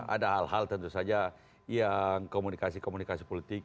ada hal hal tentu saja yang komunikasi komunikasi politik